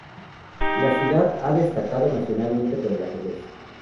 La ciudad se ha destacado nacionalmente por el ajedrez.